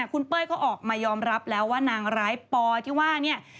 คุณเป้ยเขาออกมายอมรับแล้วว่านางร้ายปอที่ว่าเนี่ย